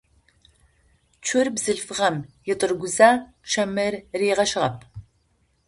Цур бзылъфыгъэм етӏыргузэ чэмыр ригъэщыгъэп.